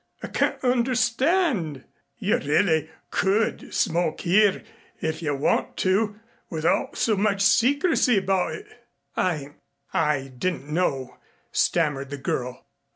I can't understand. You really could smoke here if you want to without so much secrecy about it." "I I didn't know," stammered the girl.